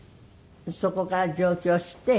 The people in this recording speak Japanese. そこから上京して。